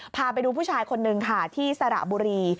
พาไปดูผู้ชายคนนึงค่ะที่สระบุรี